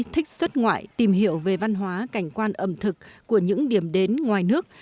thích xuất ngoại tìm hiểu về văn hóa cảnh quan ẩm thực của những điểm đến ngoài nước